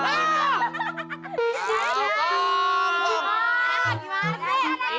wah gimana sih